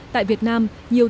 tại việt nam